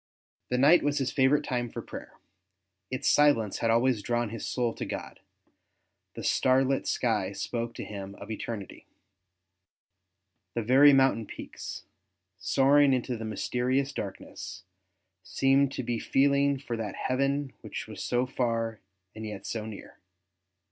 The night was his favourite time for prayer ; its silence had always drawni his soul to God; the starlit sky spoke to him of eternity. The very mountain peaks, soaring into the mysterious darkness, seemed to be feeling for that heaven which was so far and yet so near.